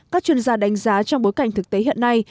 các chuyên gia đánh giá trong bối cảnh thực tế hiện nay